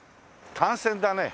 単線だね。